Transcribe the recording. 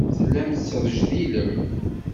Tellam tettrejdilem.